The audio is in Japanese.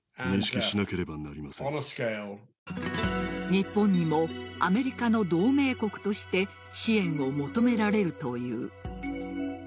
日本にもアメリカの同盟国として支援を求められるという。